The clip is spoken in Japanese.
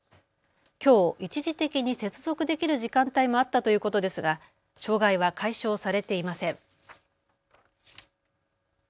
きょう、一時的に接続できる時間帯もあったということですが障害は解消されていません。